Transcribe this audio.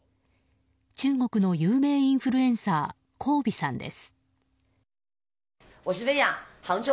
中国の有名インフルエンサーコウ・ビさんです。